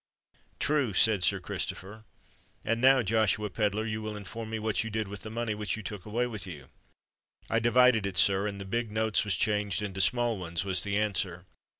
"True!" said Sir Christopher. "And now, Joshua Pedler, you will inform me what you did with the money which you took away with you." "I divided it, sir; and the big notes was changed into small ones," was the answer.